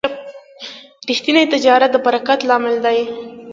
ریښتینی تجارت د برکت لامل دی.